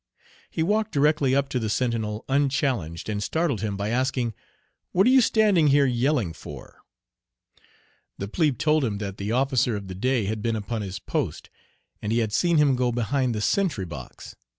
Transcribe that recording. He walked directly up to the sentinel unchallenged, and startled him by asking, "What are you standing here yelling for?" The plebe told him that the officer of the day had been upon his post, and he had seen him go behind the sentry box.